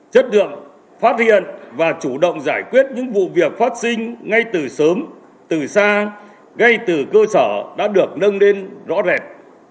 chất lượng phát hiện và chủ động giải quyết những vụ việc phát sinh ngay từ sớm từ xa ngay từ cơ sở đã được nâng lên rõ rệt